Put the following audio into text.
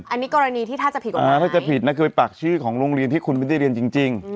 อันนี้กรณีที่ถ้าจะผิดกฎหมายถ้าจะผิดนะคือไปปากชื่อของโรงเรียนที่คุณไม่ได้เรียนจริง